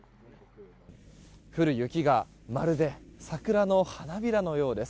降る雪がまるで桜の花びらのようです。